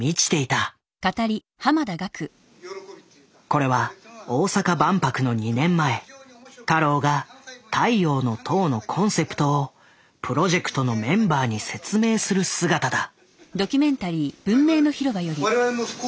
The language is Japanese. これは大阪万博の２年前太郎が「太陽の塔」のコンセプトをプロジェクトのメンバーに説明する姿だ。